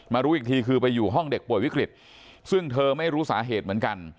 รู้อีกทีคือไปอยู่ห้องเด็กป่วยวิกฤตซึ่งเธอไม่รู้สาเหตุเหมือนกัน